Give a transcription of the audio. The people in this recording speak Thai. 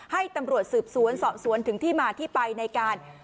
ให้ตำรวจสืบสวนสอบสวนถึงที่มาที่ไปในการ